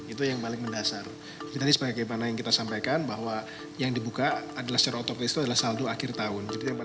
itu yang paling mendasar tadi sebagaimana yang kita sampaikan bahwa yang dibuka adalah secara otomatis itu adalah saldo akhir tahun